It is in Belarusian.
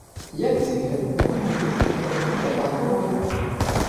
Як звер, якому дзесьці здалёк запахла воля.